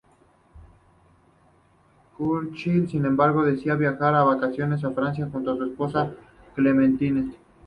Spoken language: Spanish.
Churchill, sin embargo, decide viajar a vacacionar a Francia junto con su esposa Clementine.